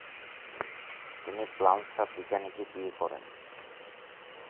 তিনি ব্লান্সা পিকানিকে বিয়ে করেন।